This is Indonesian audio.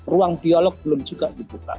ruang dialog belum juga dibuka